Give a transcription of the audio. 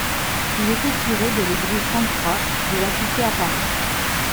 Il était curé de l'église Sainte-Croix de la Cité à Paris.